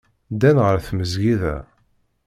Ddan ɣer tmesgida.